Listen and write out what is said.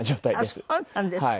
あっそうなんですか。